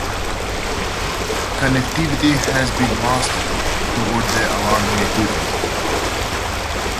Connectivity has been lost toward the alarming equipment.